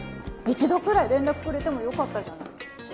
一度くらい連絡くれてもよかったじゃない。